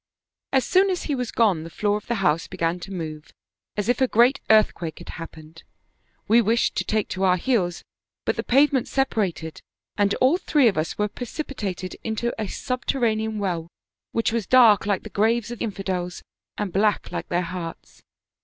As soon as he was gone the floor of the house began to move as if a great earthquake had happened. We wished to take to our heels, but the pavement separated, and all three of us were precipitated into a subterranean well which was dark like the graves of infidels, and black like their hearts.